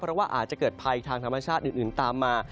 เพราะว่าอาจจะเกิดภัยทางธรรมชาติอื่นตามมา